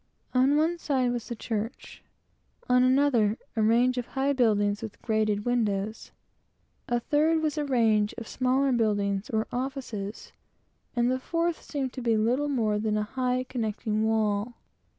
On one side was the church; on another, a range of high buildings with grated windows; a third was a range of smaller buildings, or offices; and the fourth seemed to be little more than a high connecting wall.